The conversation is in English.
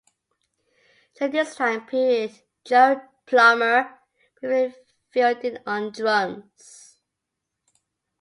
During this time period Joe Plummer briefly filled in on drums.